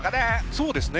そうですね。